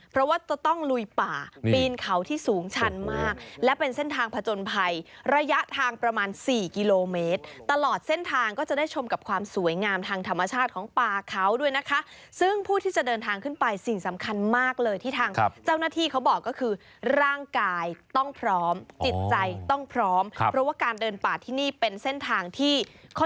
เพราะว่าจะต้องลุยป่าปีนเขาที่สูงชันมากและเป็นเส้นทางผจญภัยระยะทางประมาณสี่กิโลเมตรตลอดเส้นทางก็จะได้ชมกับความสวยงามทางธรรมชาติของป่าเขาด้วยนะคะซึ่งผู้ที่จะเดินทางขึ้นไปสิ่งสำคัญมากเลยที่ทางเจ้าหน้าที่เขาบอกก็คือร่างกายต้องพร้อมจิตใจต้องพร้อมเพราะว่าการเดินป่าที่นี่เป็นเส้นทางที่ค